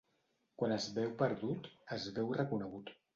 Quan es veu perdut es veu reconegut.